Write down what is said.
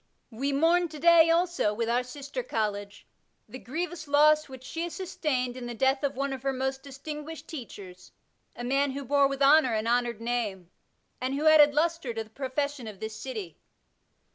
We mourn to day, also, with our sister college, the grievous loss which she has sustained in the death of one of her most distinguished teachers, a man who bore with honour an honoured name, and who added lustre to the profession of this city.